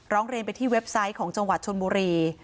ร้องเรียนไปที่เว็บไซต์ของจังหวัดชนบุรี